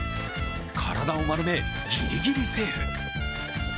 体を丸め、ギリギリセーフ。